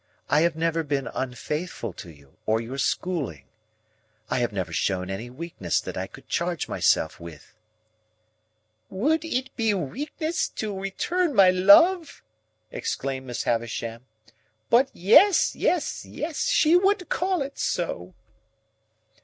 I have never been unfaithful to you or your schooling. I have never shown any weakness that I can charge myself with." "Would it be weakness to return my love?" exclaimed Miss Havisham. "But yes, yes, she would call it so!"